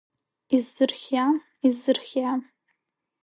Исзырхиа, исзырхиа…